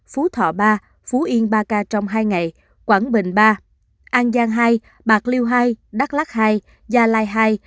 phú thọ ba phú yên ba ca trong hai ngày quảng bình ba an giang hai bạc liêu hai đắk lắc hai gia lai hai